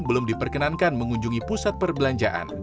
belum diperkenankan mengunjungi pusat perbelanjaan